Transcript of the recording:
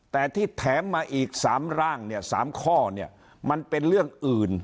แต่ที่แถมมาอีก๓ข้อมันเป็นเรื่องอื่น